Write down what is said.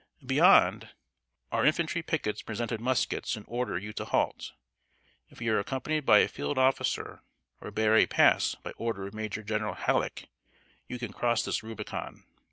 Beyond, our infantry pickets present muskets and order you to halt. If you are accompanied by a field officer, or bear a pass "by order of Major General Halleck," you can cross this Rubicon.